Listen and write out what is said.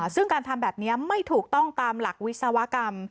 ซึ่งการทำแบบนี้ไม่ถูกต้องตามหลักวิศวกรรม